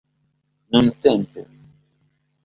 nuntempe